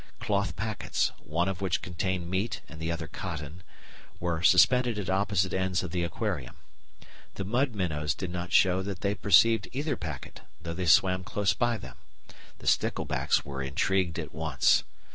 Cloth packets, one of which contained meat and the other cotton, were suspended at opposite ends of the aquarium. The mud minnows did not show that they perceived either packet, though they swam close by them; the sticklebacks were intrigued at once.